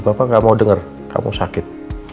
papa gak mau denger kamu sakit